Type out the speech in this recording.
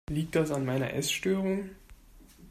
Liegt das an meiner Essstörung?